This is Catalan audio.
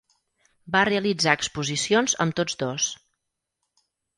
Va realitzar exposicions amb tots dos.